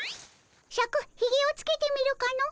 シャクひげをつけてみるかの？